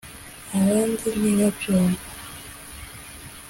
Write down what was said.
abandi ntibabyumve